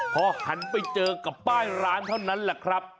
พอหันไปเจอกับป้ายร้านเท่านั้นแหละครับ